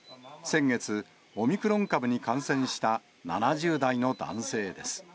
先月、オミクロン株に感染した７０代の男性です。